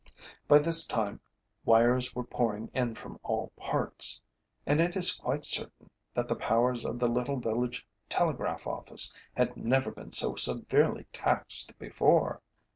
By this time wires were pouring in from all parts, and it is quite certain that the powers of the little village telegraph office had never been so severely taxed before.